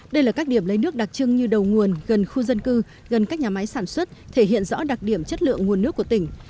đây là các điểm lấy nước đặc trưng như đầu nguồn gần khu dân cư gần các nhà máy sản xuất thể hiện rõ đặc điểm chất lượng nguồn nước của tỉnh